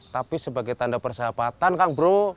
tapi sebagai tanda persahabatan kang bro